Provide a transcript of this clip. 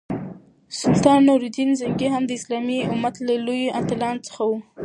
سلطان نور الدین زنګي هم د اسلامي امت له لویو اتلانو څخه وو.